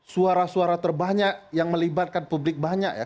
suara suara terbanyak yang melibatkan publik banyak ya